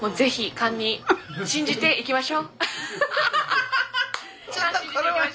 勘信じていきましょ。